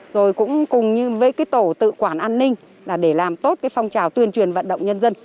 rồi cũng cùng với tổ tự quản an ninh để làm tốt phong trào tuyên truyền vận động nhân dân